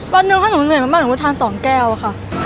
วันหนึ่งถ้าหนูเหนื่อยมากหนูก็ทาน๒แก้วค่ะ